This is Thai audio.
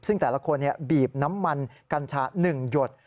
ซึ่งแต่ละคนบีบน้ำมันกัญชา๑หยด